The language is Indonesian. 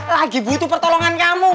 lagi butuh pertolongan kamu